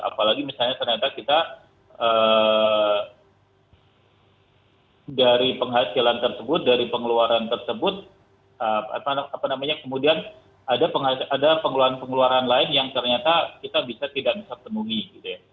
apalagi misalnya ternyata kita dari penghasilan tersebut dari pengeluaran tersebut kemudian ada pengeluaran pengeluaran lain yang ternyata kita bisa tidak bisa penuhi gitu ya